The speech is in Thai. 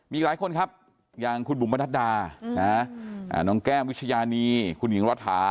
อีกหลายคนครับอย่างคุณบุ๋มประนัดดาน้องแก้มวิชญานีคุณหญิงรัฐา